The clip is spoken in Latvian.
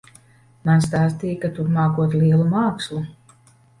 Man stāstīja, ka tu mākot lielu mākslu.